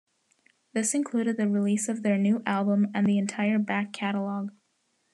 This included the release of their new album and the entire back catalogue.